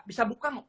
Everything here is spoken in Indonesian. bisa buka pak